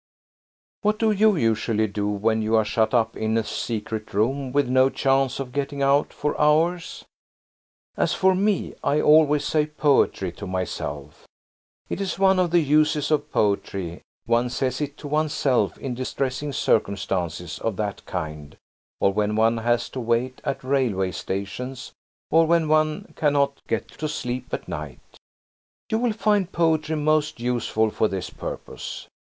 What do you usually do when you are shut up in a secret room, with no chance of getting out for hours? As for me, I always say poetry to myself. It is one of the uses of poetry–one says it to oneself in distressing circumstances of that kind, or when one has to wait at railway stations, or when one cannot get to sleep at night. You will find poetry most useful for this purpose.